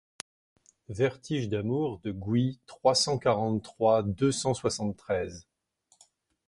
Vertige d’amour De Ghouy trois cent quarante-trois deux cent soixante-treize.